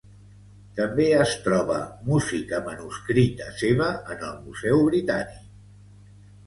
També es troba música manuscrita seva en el Museu Britànic.